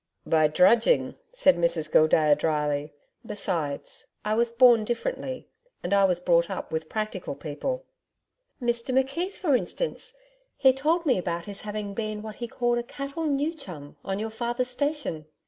'By drudging,' said Mrs Gildea dryly. 'Besides, I was born differently. And I was brought up with practical people.' 'Mr McKeith, for instance. He told me about his having been what he called a "cattle new chum" on your father's station.'